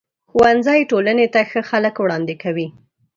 ښوونځی ټولنې ته ښه خلک وړاندې کوي.